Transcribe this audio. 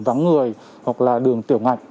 vắng người hoặc là đường tiểu ngạch